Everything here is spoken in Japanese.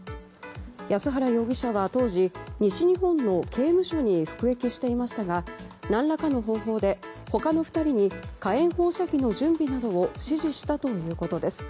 安原容疑者は当時西日本の刑務所に服役していましたが何らかの方法で他の２人に火炎放射器の準備などを指示したということです。